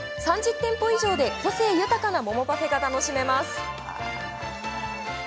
３０店舗以上で個性豊かな桃パフェが楽しめます。